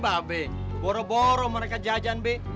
mbak beng boro boro mereka jajan beng